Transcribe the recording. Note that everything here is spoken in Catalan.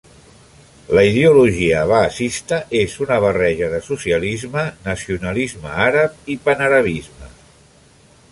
La ideologia baasista és una barreja de socialisme, nacionalisme àrab i panarabisme.